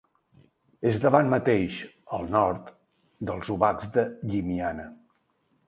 És davant mateix, al nord, dels Obacs de Llimiana.